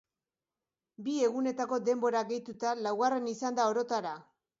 Bi egunetako denborak gehituta, laugarren izan da orotara.